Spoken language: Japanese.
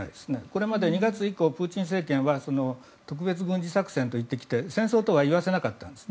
これまで２月以降プーチン政権は特別軍事作戦と言ってきて戦争とは言わせなかったんです。